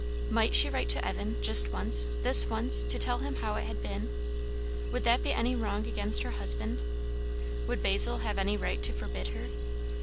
Might she write to Evan, just once, this once, to tell him how it had been? Would that be any wrong against her husband? Would Basil have any right to forbid her?